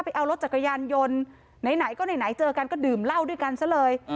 ไปเอารถจักรยานยนต์ไหนก็ไหนเจอกันก็ดื่มเหล้าด้วยกันซะเลย